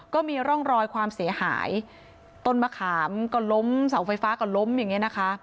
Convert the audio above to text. ก็มีร่องรอยความเสียหายต้นมะขามก็ล้มเสาไฟฟ้าก็ล้มอย่างเงี้นะคะ